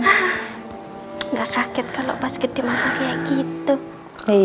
gak kaget kalo pas gede masuk kayak gitu